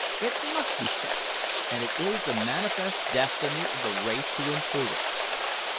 It must be so, and it is the manifest destiny of the race to improve it.